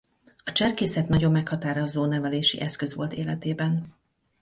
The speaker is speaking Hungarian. A cserkészet nagyon meghatározó nevelési eszköz volt életében.